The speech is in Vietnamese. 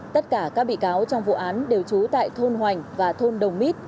tất cả các bị cáo trong vụ án đều trú tại thôn hoành và thôn đồng mít